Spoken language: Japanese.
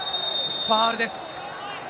ファウルです。